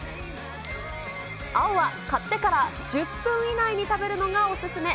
青は、買ってから１０分以内に食べるのがお勧め。